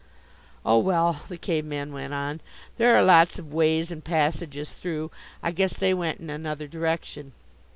"Oh, well," the Cave man went on, "there are lots of ways and passages through. I guess they went in another direction.